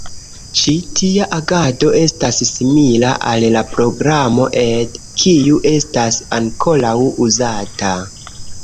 Ĉi tia agado estas simila al la programo ed, kiu estas ankoraŭ uzata.